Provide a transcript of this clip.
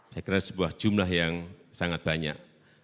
saya kira sebuah jumlah yang sangat banyak